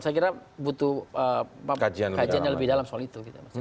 saya kira butuh kajian yang lebih dalam soal itu